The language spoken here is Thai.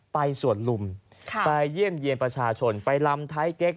ไปสวนลุมไปเยี่ยมเยี่ยมประชาชนไปลำไทยเก๊ก